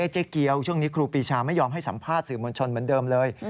เจ๊เกียวช่วงนี้ครูปีชาไม่ยอมให้สัมภาษณ์สื่อมวลชนเหมือนเดิมเลย